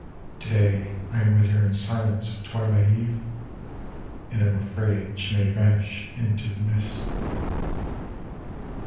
To day I am with her in silence of twilight eve, And am afraid she may vanish into the mist.